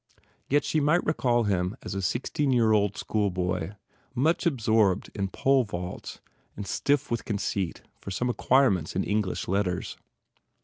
Yet she might recall him as a sixteen year old schoolboy much absorbed in polevaults and stiff with conceit for some acquirements in English letters.